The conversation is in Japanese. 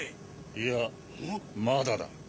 いやまだだ。